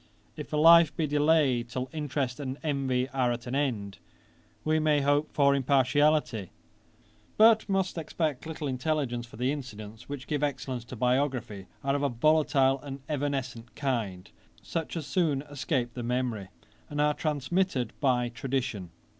If a life be delayed till interest and envy are at an end, we may hope for impartiality, but must expect little intelligence; for the incidents which give excellence to biography are of a volatile and evanescent kind, such as soon escape the memory, and are transmitted by tradition.